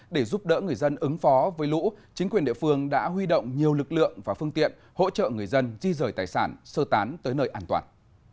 để giúp đỡ người dân ứng phó với lũ chính quyền địa phương đã huy động nhiều lực lượng và phương tiện hỗ trợ người dân di rời tài sản sơ tán tới nơi an toàn